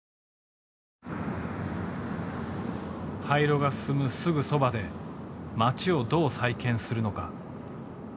廃炉が進むすぐそばで町をどう再建するのか。